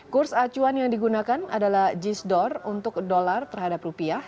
kurs acuan yang digunakan adalah jis door untuk dolar terhadap rupiah